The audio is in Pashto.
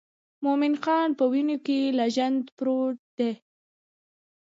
مومن خان په وینو کې لژند پروت دی.